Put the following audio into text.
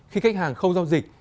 khi khách hàng không giao dịch